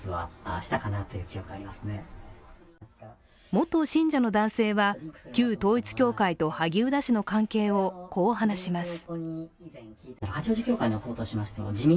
元信者の男性は旧統一教会と萩生田氏の関係をこう話します。